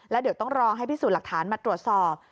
แล้วเดี๋ยวต้องรอให้พิสูจน์หลักฐานมาตรวจสอบ